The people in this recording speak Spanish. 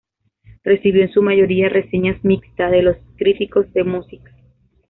Recibió en su mayoría reseñas mixtas de los críticos de música.